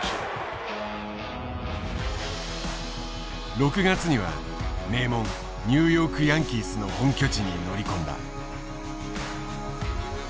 ６月には名門ニューヨークヤンキースの本拠地に乗り込んだ。